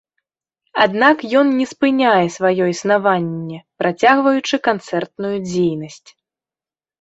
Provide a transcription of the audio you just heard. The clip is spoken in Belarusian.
Аднак ён не спыняе сваё існаванне, працягваючы канцэртную дзейнасць.